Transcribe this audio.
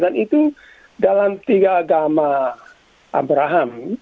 dan itu dalam tiga agama abraham